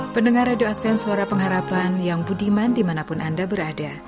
pendengar radio advent suara pengharapan yang budiman dimanapun anda berada